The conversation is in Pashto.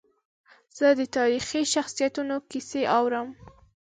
زه د تاریخي شخصیتونو کیسې اورم.